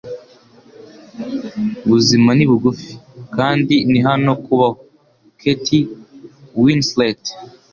Ubuzima ni bugufi, kandi ni hano kubaho.” —Kate Winslet